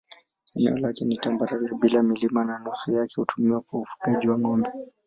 Eneo lake ni tambarare bila milima na nusu yake hutumiwa kwa ufugaji wa ng'ombe.